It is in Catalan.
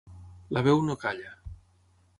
La veu no calla.